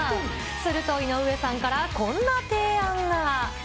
すると井上さんから、こんな提案が。